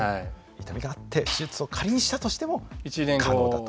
痛みがあって手術を仮にしたとしても可能だと。